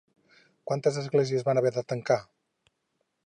Quantes esglésies van haver de tancar?